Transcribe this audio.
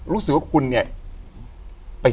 อยู่ที่แม่ศรีวิรัยิลครับ